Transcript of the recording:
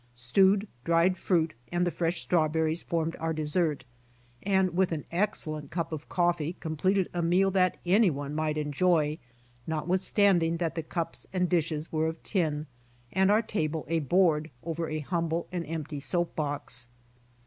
Stewed dried fruit and the fresh strawberries formed our dessert, and with an excellent cup of coffee com pleted a meal that anyone might enjoy, notwithstand ing that the cups and dishes were of tin, and our table a. board over an humble and empty soap box.